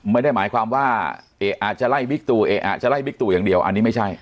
ไม่ได้หมายความว่าอาจจะไล่บิ๊กตูเอะอาจจะไล่บิ๊กตู่อย่างเดียวอันนี้ไม่ใช่